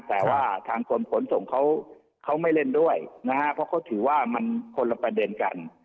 แต่ว่าทางกรมขนส่งเขาไม่เล่นด้วยนะฮะเพราะเขาถือว่ามันคนละประเด็นกัน